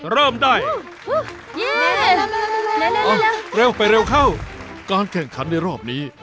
เริ่มได้เร็วไปเร็วเข้าการแข่งขันในรอบนี้